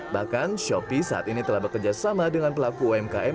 bahkan shopee saat ini telah bekerjasama dengan pelaku umkm